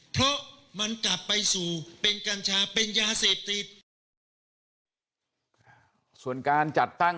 เพราะมันกลับไปสู่เป็นกัญชาเป็นยาเสพติดส่วนการจัดตั้ง